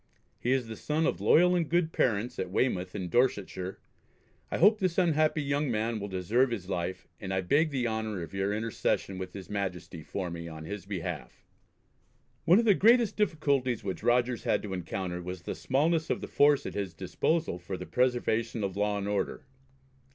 He is the son of loyal and good parents at Weymouth in Dorsetshire. I hope this unhappy young man will deserve his life, and I beg the honour of your intercession with his Majesty for me on his behalf." One of the greatest difficulties which Rogers had to encounter was the smallness of the force at his disposal for the preservation of law and order.